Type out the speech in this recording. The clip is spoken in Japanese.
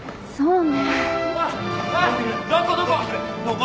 どこ？